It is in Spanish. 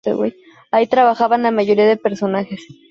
Ahí trabajan la mayoría de personajes.